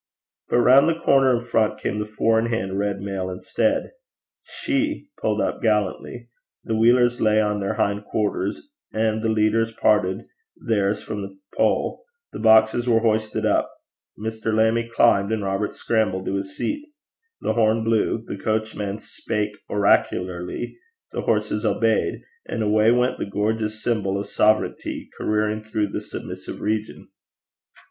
But round the corner in front came the four in hand red mail instead. She pulled up gallantly; the wheelers lay on their hind quarters, and the leaders parted theirs from the pole; the boxes were hoisted up; Mr. Lammie climbed, and Robert scrambled to his seat; the horn blew; the coachman spake oracularly; the horses obeyed; and away went the gorgeous symbol of sovereignty careering through the submissive region.